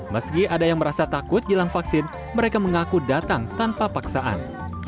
meski ada yang merasa takut jelang vaksin mereka mengaku datang tanpa paksaan